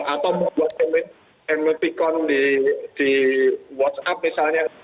atau membuat mypicon di whatsapp misalnya